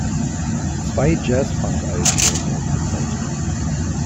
Zwei Jazz-Funk-Alben wurden aufgezeichnet.